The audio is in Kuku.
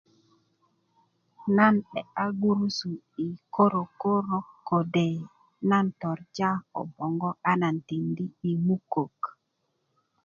nan 'de'ya gurusu yi korokoro kode' na torja ko boŋgo a nan tindi' yi mukök